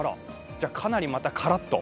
かなり、またカラっと。